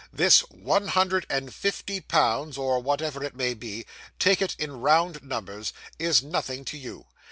This one hundred and fifty pounds, or whatever it may be take it in round numbers is nothing to you.